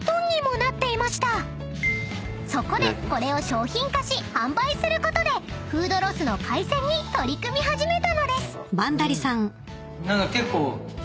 ［そこでこれを商品化し販売することでフードロスの改善に取り組み始めたのです］